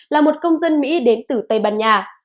là một công dân mỹ đến từ tây ban nha